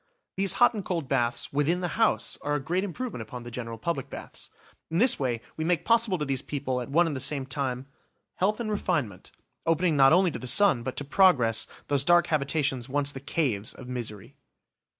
These hot and cold baths within the house are a great improvement upon the general public baths. In this way we make possible to these people, at one and the same time, health and refinement, opening not only to the sun, but to progress, those dark habitations once the vile caves of misery.